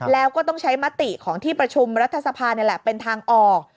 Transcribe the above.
แล้วก็ต้องใช้มติของที่ประชุมรัฐสภานี่แหละเป็นทางออก